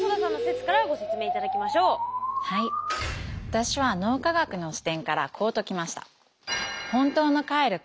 私は脳科学の視点からこう解きました。